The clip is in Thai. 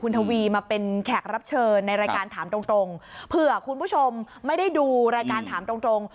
ทวีมาเป็นแขกรับเชิญในรายการถามตรงตรงเผื่อคุณผู้ชมไม่ได้ดูรายการถามตรงตรง